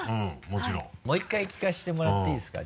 もう１回聞かせてもらっていいですか？